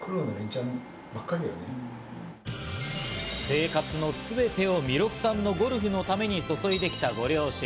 生活のすべてを弥勒さんのゴルフのために注いできたご両親。